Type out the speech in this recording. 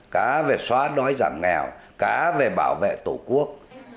cả về xóa đói giảm nghèo cả về bảo vệ tổ quốc